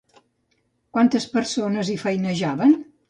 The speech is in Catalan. Quantes persones hi feinejaven?